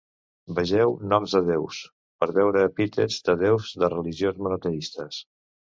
Vegeu "Noms de Déus" per veure epítets de déus de religions monoteistes.